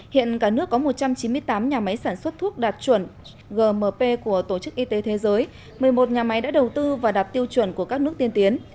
hiện cả nước có một trăm chín mươi tám nhà máy sản xuất thuốc đạt chuẩn gmp của tổ chức y tế thế giới một mươi một nhà máy đã đầu tư và đạt tiêu chuẩn của các nước tiên tiến